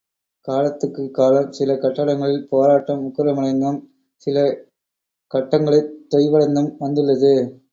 காலத்துக்குக் காலம் சில கட்டங்களில் போராட்டம் உக்கிரமடைந்தும், சில கட்டங்களிற் தொய்வடைந்தும் வந்துள்ளது.